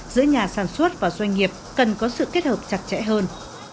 giữa nhà sản xuất và doanh nghiệp cần có sự kết hợp chặt chẽ hơn